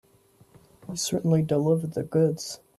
You certainly delivered the goods.